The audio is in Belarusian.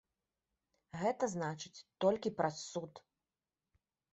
Гэта значыць, толькі праз суд!